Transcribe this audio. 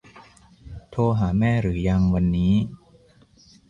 โทรหาแม่หรือยังวันนี้